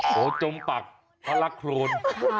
โหจมปักเพราะรักโคน